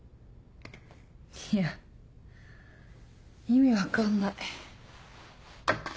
いや意味分かんない。